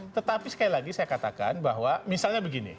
tetapi sekali lagi saya katakan bahwa misalnya begini